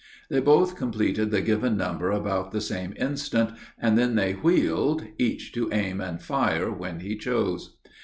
They both completed the given number about the same instant, and then they wheeled, each to aim and fire when he chose.